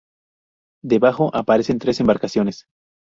Debajo aparecen tres embarcaciones.